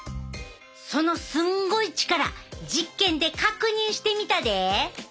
そのすんごい力実験で確認してみたで！